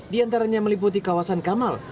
diantaranya meliputi kawasan kamal